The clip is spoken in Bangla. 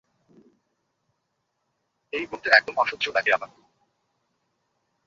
এই বনটা একদম অসহ্য লাগে আমার।